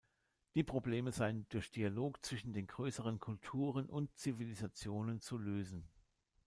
Die Probleme seien durch Dialog zwischen den größeren Kulturen und Zivilisationen zu lösen.